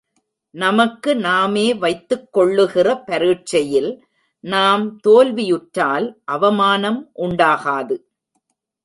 நமக்கு நாமே வைத்துக் கொள்ளுகிற பரீட்சையில் நாம் தோல்வியுற்றால் அவமானம் உண்டாகாது.